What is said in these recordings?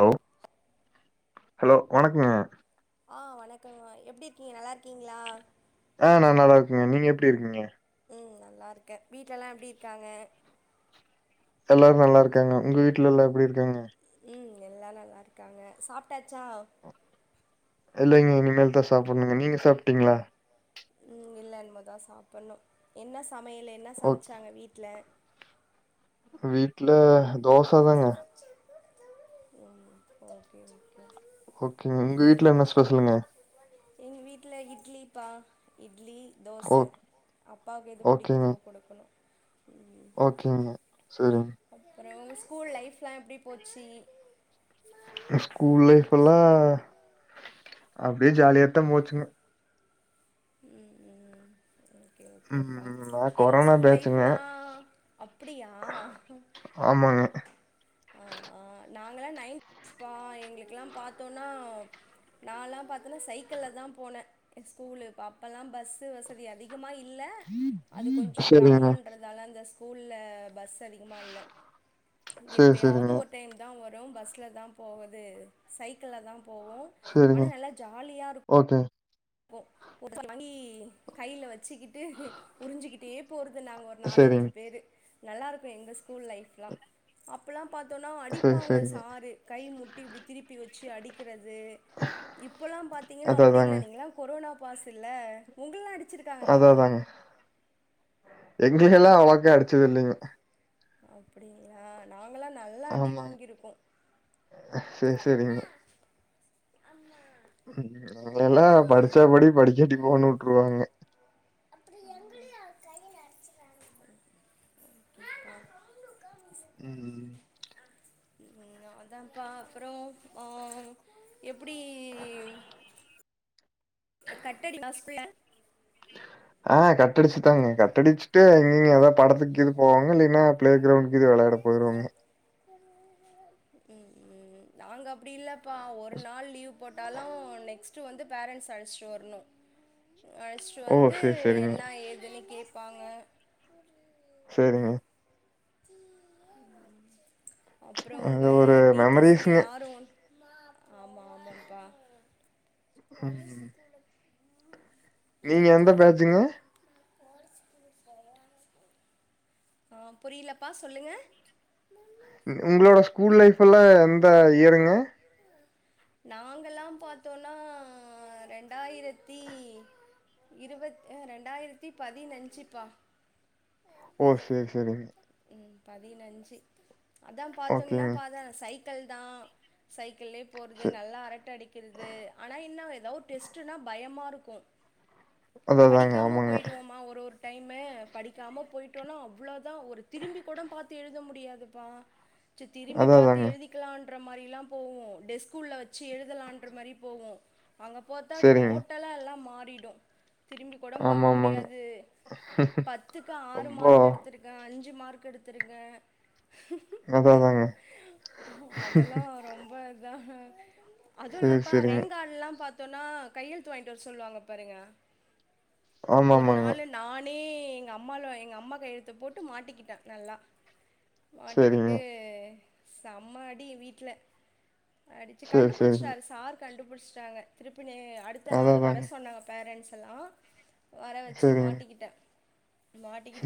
Hello hello வணக்கங்க ஹம் வணக்கங்ன எப்டி இருக்கீங்க நல்லா இருக்கீங்களா ஆஹ நா நல்லா இருக்கங்க நீங்க எப்டி இருக்கீங்க ம் நல்லா இருக்கே வீட்லல்லா எப்டி இருக்காங்க எல்லாரு நல்லா இருக்காங்க உங்க வீட்டுலல்லா எப்புடி இருக்காங்க ம் எல்லா நல்லா இருக்காங்க சாப்டாச்சா இல்லைங்க இனிமேல் தா சாப்படணும்ங்க நீங்க சாப்டீங்களா உம் இல்ல இனிமே தா சாப்புட்ணு என்ன சமையல் என்ன ஓக் சமச்சாங்க வீட்டல வீட்ல தோச ச தாங்க உம் ஓகே ஓகே ஓக்கே உங்க வீட்ல என்ன ஸ்பெசலுங்க எங்க வீட்ல இட்லிப்பா இ இட்லி ஓ தோச அப்பாவுக்கு எது புடிக்குதோ குடுக்கணும் ம் ஓக்கேங்க செரிங்க அப்புறம் ஒங்க ஸ்கூல் லைஃப்லாம் எப்டி போச்சி ஸ்கூல் லைஃப்ல்லாம் அப்டியே ஜாலியாத்தா போச்சுங்க உம் உம் ஓக்கே ஓக்கேப்பா ம் நா எங்க கொரோனா ஸ்கூல் பேட்சுங்க லைஃப்லாம் அப்டியா ஆமாங்க ஆ ஆ நாங்க நையந்த் பா எங்களுக்குல்லாம் பாத்தோனா ந எல்லாம் பாத்தன்னா சைக்கிள் தான் போனேன் ஸ்கூலு அப்பல்லாம் பஸ் வசதி அதிகமா இல் இல்ல அது கொஞ்சம் சரிங்க கிராமன்றதால அந்த ஸ்கூல்ல பஸ் அதிகமா இல்ல சேரி எப்பயாவது சரிங்க ஒரு டைம் தான் வ ரு பஸ்ல தான் போவது சைக்கிள்ள தான் செரிங்க ஓக்கே போ ஒரு [unintelligible] கைல வெச்சுகிட்டு உறிஞ்சுக்கிட்டே போறது நாங்க ஒரு சரிங்க நாலஞ்சு பேரு நல்லாருக்கும் எங்க ஸ்கூல் லைஃப்லாம் அப்பலாம் பாத்தோம்னா சேரி அடிப்பாங்க சேரிங்க சாரு கை முட் டி இப்டி திருப்பி வெச்சு அடிக்கிறது து இப்பெல்லாம் பாத்தீங்கன்னா அதா அப்டி இல்ல அதாங்க நீங்கள்ளா போனா பாசுல்ல உங்கல்லா [inaudible] அதா அதாங்க [inaudible] எங்கலயெலாம் அவ்ளாக்கா அடிச்சது இல்லிங்க அப்டிங்களா நா நாங்கள்ளா நல்லா அடி ஆமாங்க வாங்கிருக்கோம் சேரி நாங்கல்லாம் படுச்சா படி படிக்காட்டி போன்னு வுட்ருவாங்க உம் உம் உம் அதாம்பா அப்புறம் ஆஹ் எப்டி கட்டடி [unintelligible] ஆஹ் கட்டடிச்சுதாங்க கட்டடிச்சுட்டு எங்கங்க ஏதாவது படத்துக்கு கீது போவாங்க இல்லன்னா பிளே கிரவுண்டக்கு கீது வெளயாட போய்டுவோங்க உம் உம் நாங்க அப்டி இல்ல அப்பா ஒரு நாள் லீவ் போட்டாலும் நெக்ஸ்ட் ஃபர்ஸ்ட் வந்து பேரண்ட்ஸ் அழச்சிட்டு வரணு அழச்சுட்டு ஓ வந்து சேரி சேரிங்க என்ன ஏதுன்னு கே பாங்க சேரிங்க அப்றோ உங்க அது ஒரு டீச்சர்ஸ்ங்க மெமரிஸ்ங்க யாரு ஆமா ஆமாப்பா ம் நீங்க எந்த பேஜ்ஜுங்க ஆ புரிலப்பா சொல்லுங்க உங்களோட ஸ்கூல் லைஃப்ல்லா எந்த இயருங்க நாங்கல்லா பாத்தோனா ரெண்டாயிரத்தி இருவத் ரெண்டாயிரத்தி பதினஞ்சுப்பா ஓ சேரி சேரிங் ம் பதினஞ்சு அதா பாத்திங்கன்னா ஓகேங்க பாத் சை க்கிள்தா சை க்கிள்ளயே போறது சே நல்லா அரட்ட அடிக்கிறது ஆனா என்ன எதோ டெஸ்ட்ன்னா பயமா இருக்கு அதா அதாங்க படிக்காம ஆமாங்க போயிடுவோமா ஒரு ஒரு டைம்மு படிக்காம போய் டோனா அவ்ளோதா ஒரு திரும்பி கூடம் பாத்து எழுத முடியாதுப்பா சி திரும்பி அதா பாத்து அதாங்க எழுதிக்கலான் ன்ற மாரி எல்லாம் போவோ டெஸ்குள்ள வெச்சு எழுதலான்ற மாரி போவோ அங்க போத்தா சேரிங்க டோட்டலா எல்லா மா ரிடு திரும்பி கூடம் பாக்க ஆமா ஆமாங்க முடியாது பத்துக்கு ஆறு மார் ரொம்ப க்கெடுத்திருக்க அஞ் சு மார்க் எடுத்துருங்க அதா அதாங்க அதெல்லா ரொம்ப இதா அதுவு சேரி இல்லப்பா சேரிங்க ரேங்காடுல்லா பாத் தோனா கையெழுத்து வாங்கிட்டு வர சொல்வாங்க பாருங்க ஆமா ஒரு ஆமாங்க நாளு நான் ஏ எங்கம்மாலொ எங்கம்மா கையெழுத்த போட்டு மாட்டிகிட்ட நல்லா சேரிங்க மாட்டிகிட்டு செம்ம அடி வீட்ல அடிச்சு சேரி சேரிங்க கண்டுப்புடிச்சிட்டாரு சார் கண்டுபுடிச்ட்டாங்க திருப் இப்ப நே அடுத்த அதா நாள் வர அதாங்க சொன்னாங்க பேரண்ட்ஸ் ஹலோ வர வச்சி சேரிங்க மாட்டிக்கிட்ட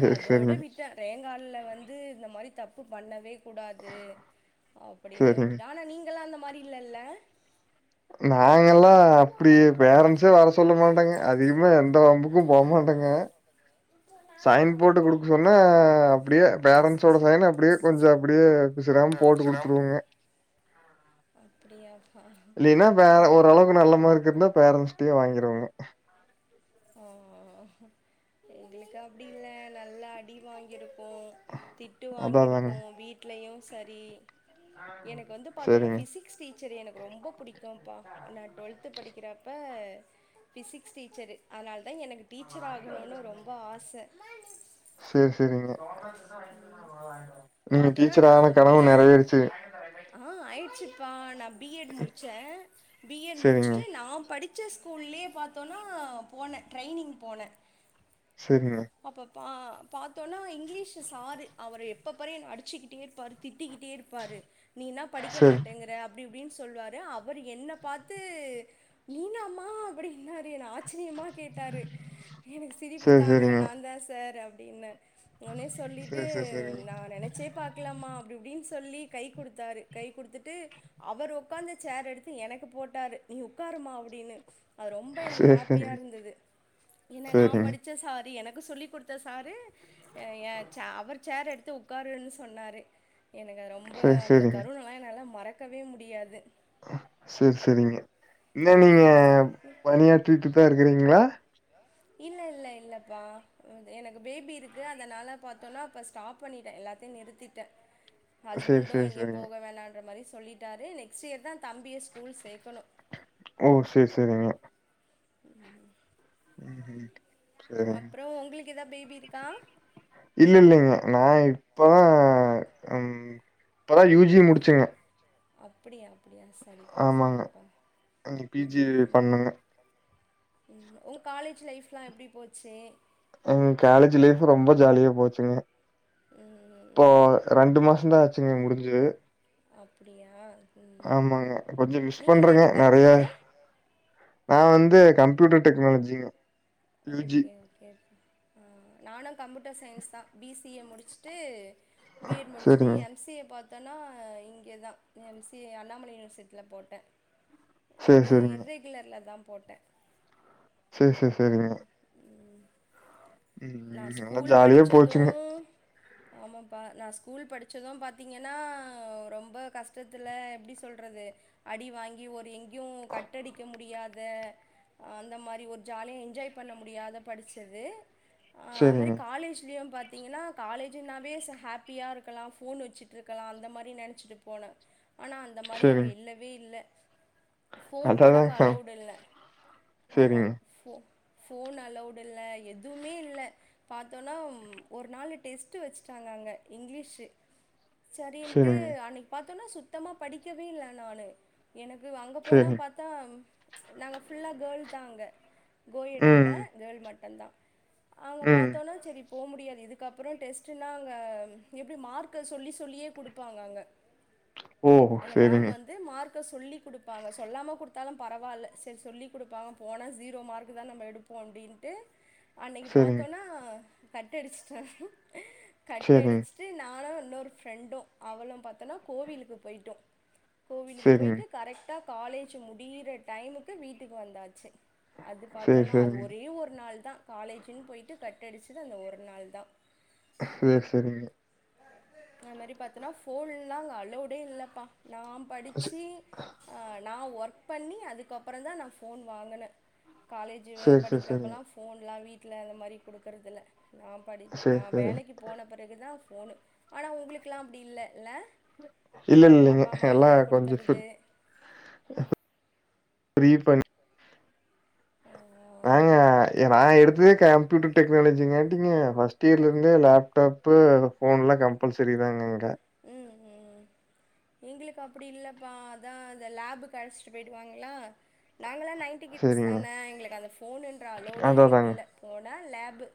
ட அதோடு சேரிங்க விட்ட ரேங் கால்ல வந்து இந்த மாரி தப்பு பண்ணவே குடாது அப்படின்னு சேரிங்க விட்டுட ஆனா நீங்கள்ளா அந்த மாரி இல்லல்ல நாங்கல்லா அப்டியே பேரண்ட்ஸச வர சொல்ல மாட்டாங்க அதிகமா எந்த வம்புக்கும் போமாட்டேங்க சொன்ன அப்டியே பேரண்ட்சோட சைன் அ அப்டியே கொஞ்சோ அப் டியே சிரம் போட்டு சிரம் குடுத்துருவோங்க ஆ அப்படியாப்பா இல்லைன்னா வேற ஒரு அளவுக்கு நல்ல மார்க்கிருந்தா எங்களுக் பேரன்ட்ஸ்ட்டயே வாங்கிருவங்க ஓ எங்களுக்கு அப்டி இல்ல நல்லா அடி வாங்கிடு ம் திட்டு வாங்கியிருக்கோம் வீட்லயும் சரி எனக்கு வந்து பாத்தோன்னா செரிங் ஃபிசிக்ஸ் டீச் எனக்கு ரொம்ப புடிக்கும்பா நா டுவெல்த்து படிக்கிறப்ப ஃபிசிக்ஸ் டீச்சரு அதனால் தா எனக்கு டீச்சர் ஆகணுனு ரொம்ப ஆச செர் செரிங்க ம் நீங்க பாத்தோனா டீச்சர் நா ஆன பி கனவு எட் நெறைவேறுச்சு ஆ ஆயிடுச்சு காணம் பி எட் முடிச்ச பி எட் சேரிங்க முடிச்சட்டு நா படிச் ச ஸ்கூல்லயே பாத்தோனா போன ட்ரைனிங் போன சரிங்க பா பாத்தோனா இங்கிலீஷ் சாரு அவர எப்ப பாரு என்ன அடிச்சுக்கிட்டே இருப்பாரு திட் டிகிட்டே இருப்பாரு நீ என்ன படிக்க சேரி மாட்டேங்கற அப்டி இப்டினு சொல்வாரு அவர் என்ன பாத்து நீனாமா அப்டினாரு என் ஆச் சரியமா கேட்டாரு எனக்கு சிரிப்பு சரி தாங்கல சரிங்க. நாந்தா சார் அப் அப்டின்ன உனய சொல்லிட்டு சரி சரி சரிங்க. நா நெனச்சே பாக்லமா அப்டி இப்டின் சொல்லி கை குடுத்தாரு கை குடுத்துட்டு அவர் உக்காந்த சேர் எடுத்து எனக்கு போட்டாரு நீ உக்காருமா அப்டினு அது ரொம்ப எனக்கு சரி சரி ஹேப்பியா சரிங்க. இருந்துது என்ன நா படிச்ச சாரு எனக் கு சொல்லி குடுத்த சாரு ஏ ஏ சே அவர் சேரு எடுத்து உக்காருன்னு சொன்னாரு எனக்கு அது ரொம்ப சரி அந்த சரிங்க. தருணல்லா என்னால மறக் கவே முடியாது செர் செரிங்க இன்ன நீங்க பணியாற்றிட்டுதா இருக்கறிங்ளா இல்ல இல்ல இல்லப்பா எனக்கு பேபி இருக்கு அதனால பாத்தோனா இப்ப ஸ்டாப் பண்ணிட்டே எல்லாத்தையு நிறுத்திட்ட சரி ஹஸ்பண்டு சரி எங்கேயும் சரிங்க. போக வேணான்ற மாரி சொல்லிட்டாரு நெக்ஸ்ட் இயர்தா தம்பிய ஸ்கூல் சேக்கணு ஓ சேரி சேரிங்க ம் ம்ஹும் சேரிங்க உங்களுக்கு எதா பேபி இருக்கா இல்ல இல்லங்க நா இப்பதா ம் இப்பதா யூஜியே முடிச்சங்க அப்டியா அப்டியா சரிப்பா சரிப்பா பிஜி ம் ம் பண்ணேங்க. ம் உன் காலேஜ் லைஃப்ல்லா எப்டி போச்சு எங்க காலேஜ் லைஃப் ரொம்ப ஜாலியா போச்சுங்க ம் ம் இப்போ ம் ரெண்டு மாசந்தா ஆச்சுங்க முடிஞ்சு அப்டியா ஆமாங்க கொஞ்ச மிஸ் பண்றங்க நெறயா டிபார்ட்மெண்ட்டு நா வந் து கம்ப்யூட்டர் டெக்னாலஜிங்க யூ ஜி ஓகே ஓகே நானு கம்ப்யூட்டர் சயின்ஸ்தா பி சி யே முடிச்சுட்டு பி எட் முடிச்ட்டு செரிங்க எம் சி ஏ பாத் தனா இங்கதா எம் சி ஏ அண்ணாமலை யுனிவர்சிட்டில போட்ட செரி அது செரிங்க இர்ரெகுலர்லதா போட்ட சே சே செரிங்க நா ம் நல்லா ஸ்கூல் ஜாலியா படிச்சது போச்சுங்க ஆமாம்ப்பா நா ஸ்கூல் படிச்சது பாத்திங்கனா ரொம்ப கஷ்டத்துல எப்டி சொல்றது அடி வாங்கி ஒரு எங்யு கட்டடிக்க முடியாத அந்த மாரி ஒரு ஜாலியா என்ஜாய் பண்ண முடியாத படிச்சது ஆ அது மாரி செரிங்க காலேஜ்லயு பா த்திங்கனா காலேஜுன்னாவே ச ஹேப்பியா இருக்கலா ஃபோன் வெச்சுட்ருக்கலா அந்த மாரி நெனச்சுட்டு போன ஆனா அந்த மாரி அங்க செரிங்க இல்லவே இல்ல போன் கோட அங்க அதாதாங்க அலவ்டு இல்ல ஆமா செரிங்க ஃபோ ஃபோன் அலவ்டு இல்ல எதுமே இல் ல பாத்தோனா ஒரு நாளு டெஸ்ட் வெச்சுட்டாங்க அங்க இங்கிலீசு சரின்ட்டு செரிங்க அன்னைக் பாத் துனா சுத்தமா படிக்கவே இல்ல நானு எனக்கு அங்க போனா செரி பாத்தா நாங்க ஃபுல்லா கேள்தா அங்க கோல்டுல்ல ம் கேர்ள் மட்டுந்தா அவுங்க ம் பாத்தொன்னா செரி போ முடியா இதுக்கப்றோ டெஸ்ட்ன்னா அங்க ம் எப்டி மார்க்க சொல்லி சொல்லியே குடுப்பாங்க அங்க ஓஹோ சேரிங்க க சொல்லிக் குடுப்பாங்க சொல்லாம குடுத்தாலு பரவால்ல செரி சொல்லிக் குடுப்பாங்க போனா ஜீரோ மார்க்தா நம்ம எடுப்போ அப்டின்ட்டு அ செரிங்க பாத்தோனா கட் அடிச்ட்ட கட்ட செரிங்க அடிச்சுட்டு நானு இன்னொரு ஃப்ரெண்டு அவளும் பாத்தோனா கோவிலுக்கு போயிட்டோ கோவிலுக்கு செரிங்க போய்ட்டு கரெக்ட்டா காலேஜ்க்கு முடியற டைமுக்கு வீட்டுக்கு வந்தாச்சு அது செரி பாத்தோனா அது செரிங்க ஒரே ஒரு நாள் தா காலேஜ் ஜின் போய்ட்டு கட்டடிச்சது அந்த ஒரு நாள்தா சேர் சேரிங்க அந்த மாரி பாத்தன்னா போன்ல்லா அங்க அளோடே இல்லப்பா நான் படிச்சி ஆ நா ஒர்க் பண்ணி அதுக்கப்பறந்தா நா ஃபோன் வாங்கனே காலேஜு செரி செரி செரிங்க படிக்கிறப்பெலா ஃபோன்லா வீட் டல அந்த மாரி குடுக்குறதில்ல நா படி நா செரி செரி வேலைக்கு போன பிறகுதா ஃபோனு ஆனா உங்களுக்லா அப்டி இல்ல இல இல்லல் இல்லைங்க எல்லா கொஞ்ச ஃபி கொடுத்துறது ரீ ஃபண் நாங்க இந்த எ நா அதான் எடுத்ததே கம்ப்யூட்டர் டெக்னாலஜிங்காட்டிங்க ஃபஸ்ட் இயர்லருந்தே லேப்டாப்பு ஃபோன்லா கம்பல்சரி தாங்க இங்க ம் ம் எங்ளுக்கு அப்டி இல்லப்பா அதா இந்த லேபுக்கு அழச்சுட்டு போயிடுவாங்ளா நாங்களா நைன்ட்டி கிட்ஸ் செரிங்க தான எங்ளுக்கு அந்த ஃபோனுன்ற அலோடே அதா அதாங்க எங்ளுக்கில்ல போனா லேபு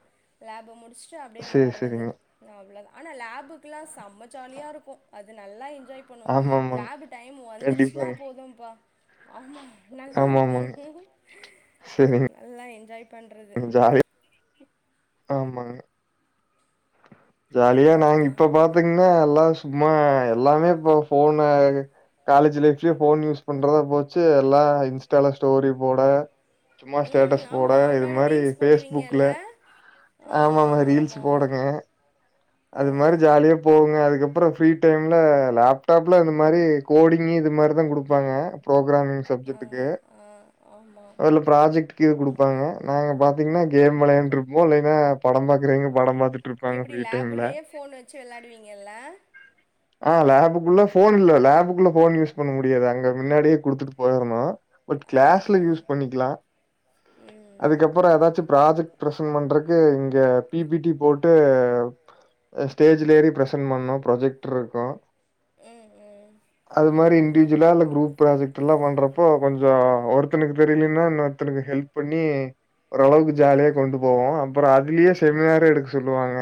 லேப முடிச் ட்டு அப்டியே இங்க சேரி வர்றது சேரிங்க. அவ்ளதா ஆனா லேபுக்ல்லா செம ஜாலியா இருக்கு அது நல்லா என்ஜாய் பண்ணு ஆமாமாங்க. லேபு டைம் வந்துருச்சுனா கண்டிப்பாங்க. போதும்ப்பா ஆமா ஆமாமாங்க. நல்லாருக்கு சரிங்க நல்லா என் பண்றது ஜாலியா ஆமாங்க ஜாலியா நாங்க இப்ப ஆமாம்ப்பா பாத்திங்னா எல்லா சும்மா எல்லாமே இப்ப ஃபோனு காலேஜ் லைஃப்லயே ஃபோன் யூஸ் பண்றதா போச்சு எல்லா இன்ஸ்டால ஸ்டோரி போட சும்மா ம் ஸ்டேட்டஸ் ஆமா போட இது அவனாட மாரி ரீல்ஸ் ஃபேஸ்புக்ல போடுவீங்கல்ல ஆ ஆ ஆமாமா ரீல்ஸ் ஆமா போட ஆமா ஆ அது மாரி ஜாலியா போகுங்க அதுக்கப் அப்ற ஃப்ரீ டைம்ல லேப்டாப்ல இந்த மாரி கோடிங் இது மாரி தா குடுப்பாங்க ப்ரோ றாங்க அந்த ஆ சப்ஜெட்டுக்கு ஆ ஆமா அதுல புராஜெக்ட் கீது குடுப்பாங்க நாங்க பாத்திங்னா கேம் வெளையான்ட்டு இருப்போ இல்லைனா படம் பாக்றவிங்க படம் பாத் எப்டி லேபுல்லயே ஃபோன் வெச்சு வெளாடுவிங்கல்ல ஆ லேபுக்குள்ள ஃபோன் இல்ல லேபுகுள்ள ஃபோன் யூஸ் பண்ண முடியாது அங்க முன்னாடியே குடுத்துட்டு போயர்னு பட் ஆ கிளாஸ்ல ஆ யூஸ் பண்ணிக்லா ம் ம் அதுக்கப்பற எதாச்சு ப்ராஜெக்ட் ப்ரசென்ட் பண்றக்கு இங்க பி பி டி போட் டு ஸ்டேஜ்ல ஏறி பிரசென்ட் பண்ணு ப்ரஜெக்ட்ர் இருக்கு ம் அது மாரி இன்டிஜிலா இல்ல குரூப் ப்ராஜெக்ட் எல்லா பண்றப்போ கொஞ்ச ஒருத்தனுக்கு தெரிலினா இன்னோருத்தனுக்கு ஹெல்ப் பண்ணி ஒரளவுக்கு ம் ஜாலியா கொண்டு போவோ அப்பற அதுலியே செமினாரு எடுக்க சொல்லுவாங்க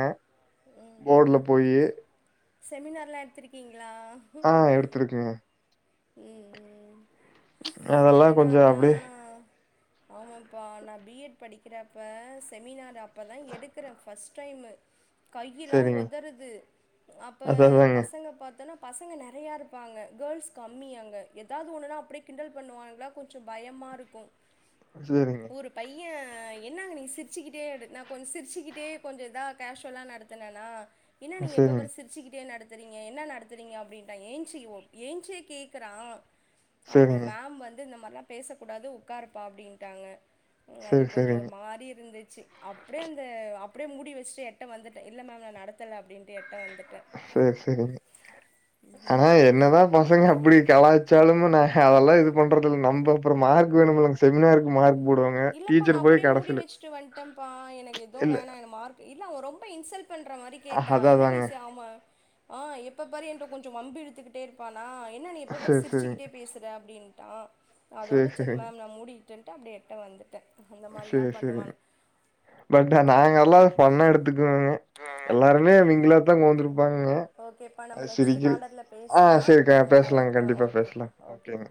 ம் போர்டுல ம் போயி செமினார்லா எட்த்திருக்கீங்க ஆ எடுத்துருக்கே ம் ம் அதெல்லாம் கொஞ்சம் செமினார்லா அப்படியே ஆமாப்பா நா பீ எட் படிக்கிறப்ப செமினார் அப்பதா எடுக்கற ஃபர்ஸ்ட் டைமு கையெல்லா சரிங்க. ஒதறுது அப்ப அது அதாங்க. பசங்க பாத்தோனா பசங்க நெறயா இருப்பாங்க கேள்ஸ் கம்மி அங்க எதாவது ஒண்ணுனா அப்டியே கிண்டல் பண்ணுவாங்களா கொஞ்ச பயமா இருக்கு சேரிங்க ஏ என்னங்க நீ சிரிச்சுக்கிட்டே எடு நா கொஞ் சிரிச்சுக்கிட்டே கொஞ்ச இதா கேசுவலா நடத்துனனா என்னா நீங்க எப்ப சரிங்க, பாரு சிரிச்சுகிட்டே நடத் சேரிங்க என்ன நடத்துறீங்க அப்டின்டா ஏஞ்ன்சி ஓ ஏஞ்சே கேக்குறா அப்புறோ சரிங்க. மேம் வந் து இந்த மார்லா பேசகூடாது உக்காருப்பா அப்டின்ட்டாங்க அ அது சரி, கொஞ்சோ ஒரு சரிங்க. மாரி இருந்துச் ச்சு அப்டே அந்த அப்புடே மூடி வெச்சுட்டு எட்ட வந்துட்ட இல்ல மேம் நா நடத்தல அப்புடின்டு எ சேர் சேரிங்க ஆனா என்னதா பசங்க அப்புடி கலாச்சாலும்மு நா ஆ அதெல்லா இது பண்றதுல் நம்ப அப்பறம் மார்க் வேணும்லங் செமினார்க் மார்க் போடுவாங்க. இல்லப்பா நா டீச்சர் அப்புடே போய் மூடி கடைசில வெச்சுட்டு வந்ட்டன்ப்பா எனக்கு எதும் இல்ல வேணா என மார்க் இல்ல அவன் ரொம்ப இன்சல்ட் பண்ற மாரி அ கேட்டா அது என்ன நீ அதாங்க. ஸ் அம ஆ எப்ப பாரு ஏன்ட கொஞ்சோ வம்பிழுத்துக்குட்டே இருப்பா ஆ என்ன நீ எப்ப பாரு சரி, சரிங்க. சிரிச்சுக்கிட்டே பேசுற அப்புடின்டா அதோட சேரி மேம் நா மூடி டுட்ன்டா அப்டே ட்ட வந்துட்டே சேரி சேரிங்க பட்டு நாங்க ஃபுல்லாவே ஃபண்ணா எடு த்துக்குவேங்க எல்லாருமே மிங்கிளாத்தா கோந்திருப்பாங்கோ ஓகேப்பா நம்ம அது நெக்ஸ்ட்டு சிரிக்கிது காலர்ல ஆ பேசலா சேரிக்கா அந்த டைம் பேசலாங்க ஆ கண்டிப்பா பேசலா ஓகேப்பா ஓகேங்க ஓகேப்பா